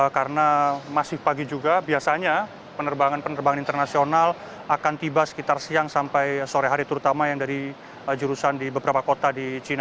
karena masih pagi juga biasanya penerbangan penerbangan internasional akan tiba sekitar siang sampai sore hari terutama yang dari jurusan di beberapa kota di china